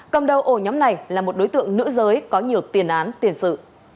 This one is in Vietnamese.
cầm đầu ổ nhóm này là một đối tượng nữ giới có nhiều tiền án tiền sự